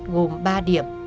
gồm ba điểm